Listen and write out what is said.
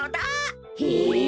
へえ。